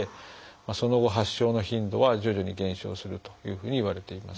その後発症の頻度は徐々に減少するというふうにいわれています。